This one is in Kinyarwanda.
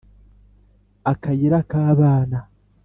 Akayira k'abana